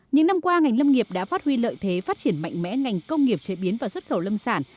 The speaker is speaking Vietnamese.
những năm qua ngành lâm nghiệp đã phát huy lợi thế phát triển mạnh mẽ ngành công nghiệp chế biến và xuất khẩu lâm sản